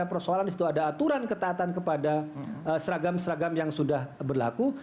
persoalan di situ ada aturan ketaatan kepada seragam seragam yang sudah berlaku